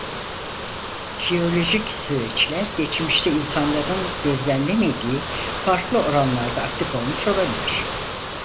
Jeolojik süreçler geçmişte insanların gözlemlemediği farklı oranlarda aktif olmuş olabilir.